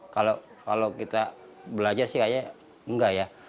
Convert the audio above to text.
kalau kita belajar sih kayaknya enggak ya